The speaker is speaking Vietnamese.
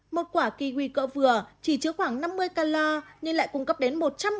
một quả kiwi cỡ vừa chỉ chứa khoảng năm mươi calor nhưng lại cung cấp đến một trăm một mươi bảy phần